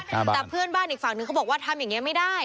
แต่เพื่อนบ้านอีกฝั่งนึงเขาบอกว่าทำอย่างเงี้ไม่ได้